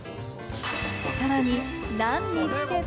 さらにナンにつけて。